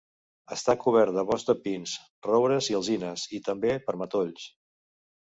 Està cobert de boscs de pins, roures i alzines, i també per matolls.